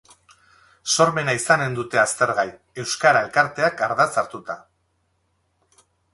Sormena izanen dute aztergai, euskara elkarteak ardatz hartuta.